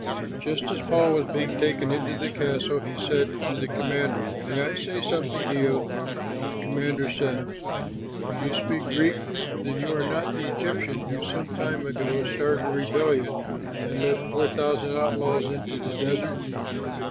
Just as Paul was being taken into the castle, he said to the commander, "May I say something to you?" The commander said: "Do you speak Greek? Then you are not the Egyptian who some time ago started a rebellion and led four thousand outlaws into the desert?"